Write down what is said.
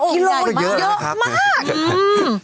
เยอะมากน่ะโอ่งใหญ่มากเยอะมากอ้าวยี่สิบกิโล